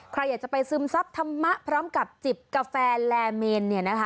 ใครอยากจะไปซึมทรัพย์ธรรมะพร้อมกับจิบกาแฟแลเมน